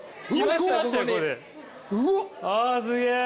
あすげえ。